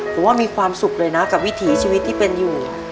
ผมว่ามีความสุขเลยนะกับวิถีชีวิตที่เป็นอยู่